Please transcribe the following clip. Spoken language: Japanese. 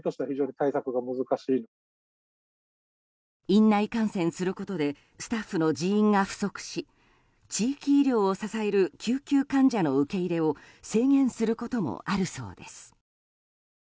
院内感染することでスタッフの人員が不足し地域医療を支える救急患者の受け入れを制限することもあるそうです。